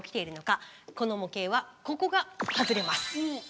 この模型はここが外れます。